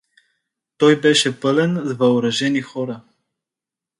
Той беше пълен с въоръжени хора.